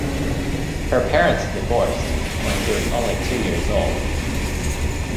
Her parents divorced when she was only two years old.